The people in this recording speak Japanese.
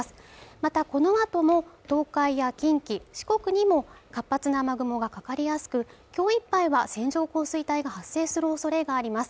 またこのあとも東海や近畿四国にも活発な雨雲がかかりやすくきょういっぱいは線状降水帯が発生するおそれがあります